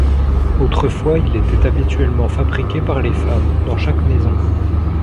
Autrefois il était habituellement fabriqué par les femmes, dans chaque maison.